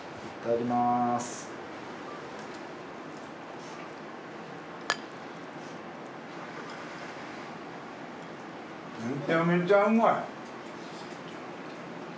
めちゃめちゃ美味い。